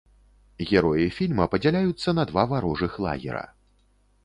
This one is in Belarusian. Героі фільма падзяляюцца на два варожых лагера.